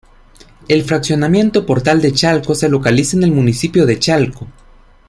El fraccionamiento Portal de Chalco se localiza en el municipio de Chalco.